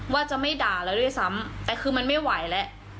ว่าจะไม่ด่าแล้วด้วยซ้ำแต่คือมันไม่ไหวแล้ว